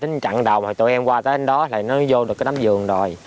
tội em chặn đầu rồi tội em qua tới đó là nó vô được cái đám vườn rồi